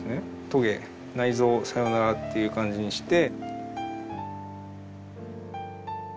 トゲ内臓さよならっていう感じにして。